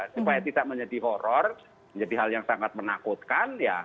supaya tidak menjadi horror menjadi hal yang sangat menakutkan